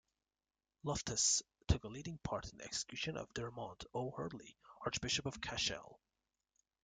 Loftus took a leading part in the execution of Dermot O'Hurley, Archbishop of Cashel.